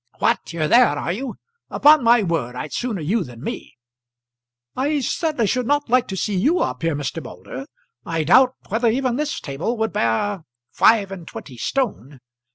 "What; you're there, are you? Upon my word I'd sooner you than me." "I certainly should not like to see you up here, Mr. Moulder. I doubt whether even this table would bear five and twenty stone.